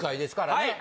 はい。